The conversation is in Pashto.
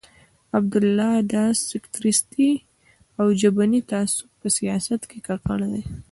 عبدالله د سکتریستي او ژبني تعصب په سیاست کې ککړ دی.